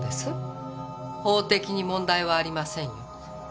法的に問題はありませんよ。